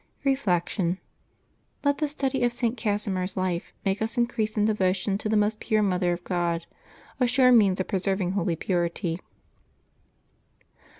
Reflection. — Let the study of St. Casimir's life make us increase in devotion to the most pure Mother of God — a sure means of preserving holy purity.